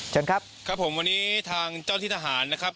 เชิญครับครับผมวันนี้ทางเจ้าที่ทหารนะครับ